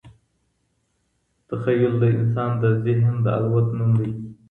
تخیل د انسان د ذهن د الوت نوم دئ.